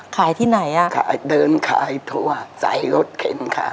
สวัสดีครับยายสวัสดีทุกคนครับ